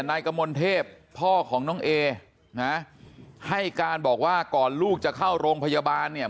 นายกมลเทพพ่อของน้องเอนะให้การบอกว่าก่อนลูกจะเข้าโรงพยาบาลเนี่ย